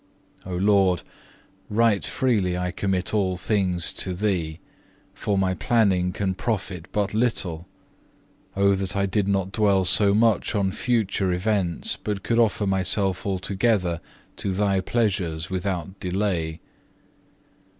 2. O Lord, right freely I commit all things to Thee; for my planning can profit but little. Oh that I did not dwell so much on future events, but could offer myself altogether to Thy pleasures without delay.